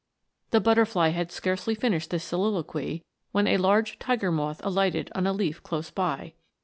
The but terfly had scarcely finished this soliloquy, when a large tiger moth alighted on a leaf close by.